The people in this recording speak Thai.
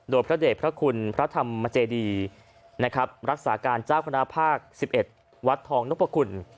โดยพระเจ็ดพระคุณพระธรรมเจดีนะครับรักษาการจ้าพนภาคสิบเอ็ดวัดทองนกประคุณ